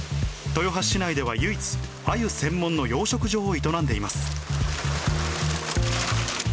豊橋市内では唯一、あゆ専門の養殖場を営んでいます。